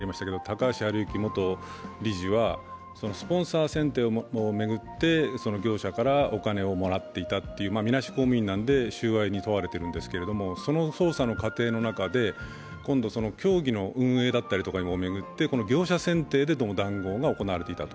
整理しないといけないんですけど、高橋治之元理事はスポンサー選定を巡って業者からお金をもらっていたというみなし公務員なんで収賄に問われているんですけども、その捜査の過程の中で今度、競技の運営だったりを巡って、業者選定で談合が行われていたと。